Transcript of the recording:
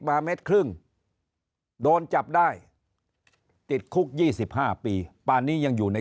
เม็ดครึ่งโดนจับได้ติดคุก๒๕ปีป่านนี้ยังอยู่ใน